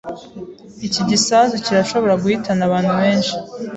Iki gisasu kirashobora guhitana abantu benshi.